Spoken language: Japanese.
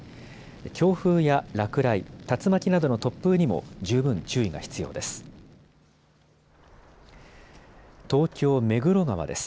強風や落雷、竜巻などの突風にも十分注意が必要です。